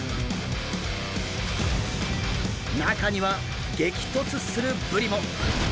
中には激突するブリも！